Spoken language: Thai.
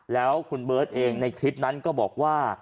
แล้วคุณเบิร์ตเองในคลิปนั้นก็บอกว่า